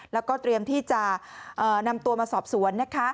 แล้วก็เตรียมที่จะนำตัวมาสอบสวนนะคะ